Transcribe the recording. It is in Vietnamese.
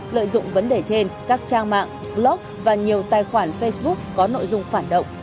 lợi dụng vấn đề trên các trang mạng blog và nhiều tài khoản facebook